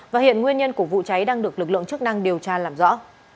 và hiện nguyên nhân của vụ cháy đang được lực lượng chức năng điều tra làm rõ